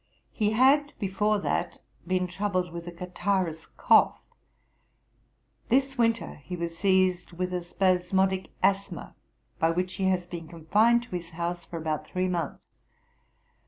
He had, before that, been troubled with a catarrhous cough. This winter he was seized with a spasmodick asthma, by which he has been confined to his house for about three months.